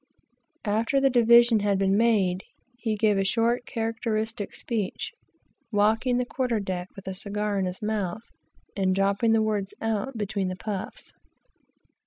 After the division had been made, he gave a short characteristic speech, walking the quarter deck with a cigar in his mouth, and dropping the words out between the puffs.